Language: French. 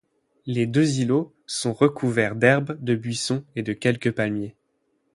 Les deux îlots sont recouverts d'herbes, de buissons et de quelques palmiers.